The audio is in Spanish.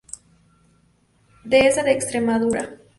Dehesa de Extremadura.